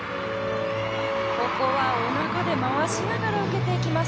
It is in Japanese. ここはおなかで回しながら受けていきます。